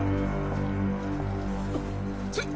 あっ！？